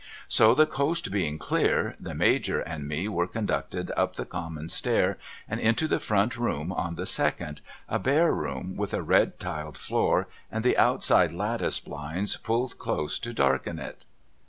So the coast being clear, the Major and me were conducted up the common stair and into the front room on the .second, a bare room with a red tiled floor and the outside lattice blinds pulled close to darken it.